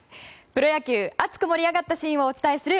プロ野球、熱く盛り上がったシーンをお伝えする。